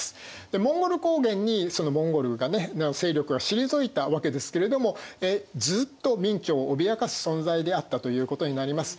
モンゴル高原にそのモンゴルの勢力が退いたわけですけれどもずっと明朝を脅かす存在であったということになります。